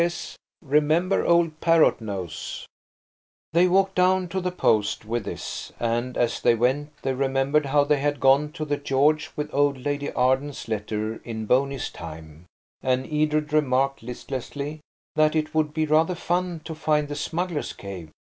"PSS.–Remember old Parrot nose." They walked down to the post with this, and as they went they remembered how they had gone to the "George" with old Lady Arden's letter in Boney's time; and Edred remarked, listlessly, that it would be rather fun to find the smugglers' cave.